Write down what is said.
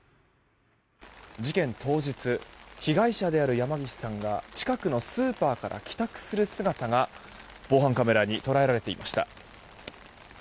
事件当日被害者である山岸さんが近くのスーパーから帰宅する姿が防犯カメラに捉えられていました。